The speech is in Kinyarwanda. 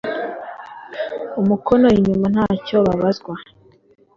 umukono inyuma ntacyo babazwa